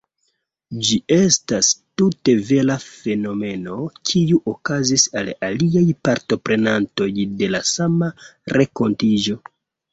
Ĝi estas tute vera fenomeno, kiu okazis al aliaj partoprenantoj de la sama renkontiĝo.